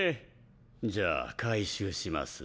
じゃあ回収します。